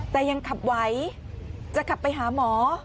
แต่ยังขับไหวจะขับไปหาหมอ